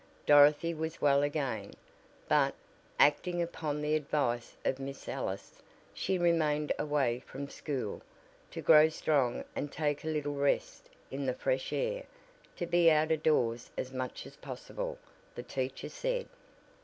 Dorothy was well again, but, acting upon the advice of Miss Ellis, she remained away from school, to grow strong and take a little rest in the fresh air; to be out of doors as much as possible, the teacher said.